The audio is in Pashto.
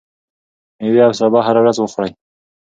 ميوې او سابه هره ورځ وخورئ.